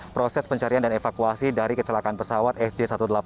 proses pencarian dan evakuasi dari kecelakaan pesawat sj satu ratus delapan puluh